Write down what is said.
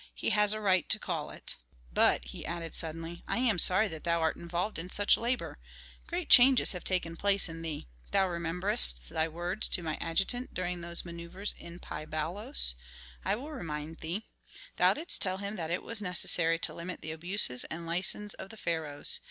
He has a right to call it." "But," he added suddenly, "I am sorry that thou art involved in such labor. Great changes have taken place in thee. Thou rememberest thy words to my adjutant during those manœuvres in Pi Bailos? I will remind thee: thou didst tell him that it was necessary to limit the abuses and license of the pharaohs.